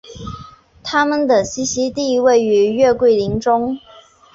它们的栖息地位于月桂林中。